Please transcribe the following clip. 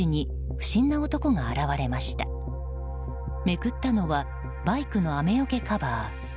めくったのはバイクの雨よけカバー。